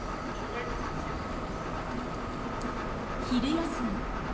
昼休み。